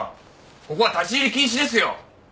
ここは立ち入り禁止ですよ！